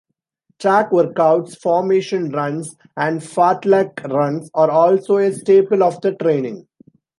Track workouts, formation runs, and fartlek runs are also a staple of the training.